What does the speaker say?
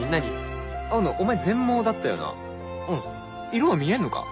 色は見えんのか？